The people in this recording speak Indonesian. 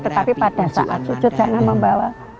tetapi pada saat sujud jangan membawa